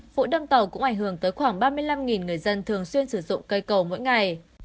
vụ đâm tàu cũng ảnh hưởng tới khoảng ba mươi năm người dân thường xuyên sử dụng cây cầu mỗi ngày